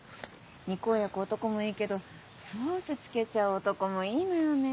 肉を焼く男もいいけどソース付けちゃう男もいいのよね。